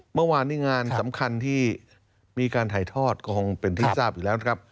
เมื่อวานนี้งานสำคัญที่มีการถ่ายทอดก็คงเป็นที่ทราบอยู่แล้วนะครับ